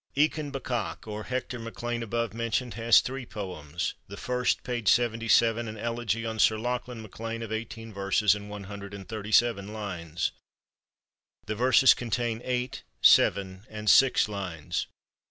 Eachunn Bacach, or Hector MacLean, above mentioned, has three poems: The first (p. 77), an elegy on Sir Lachlan MacLean, of eighteen verses and one hundred and thirty seven lines. The verses contain eight, seven, and six lines.